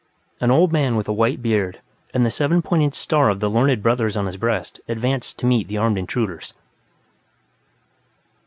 An old man with a white beard, and the seven pointed star of the Learned Brothers on his breast, advanced to meet the armed intruders.